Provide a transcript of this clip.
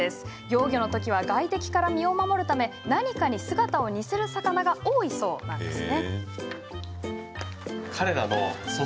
幼魚の時は外敵から身を守るため何かに姿を似せる魚が多いそうです。